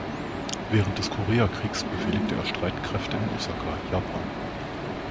Während des Koreakrieges befehligte er Streitkräfte in Osaka, Japan.